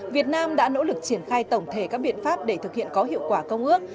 việt nam đã nỗ lực triển khai tổng thể các biện pháp để thực hiện có hiệu quả công ước